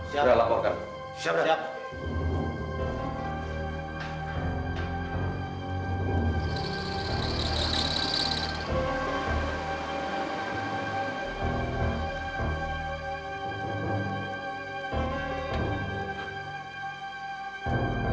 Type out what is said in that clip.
ya allah ya allah